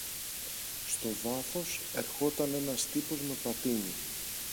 Στο βάθος ερχόταν ένας τύπος με πατίνι